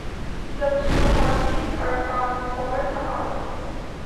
Such topologies are called polar topologies.